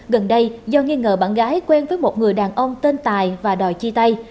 gần đây do nghi ngờ bạn gái quen với một người đàn ông tên tài và đòi chi tay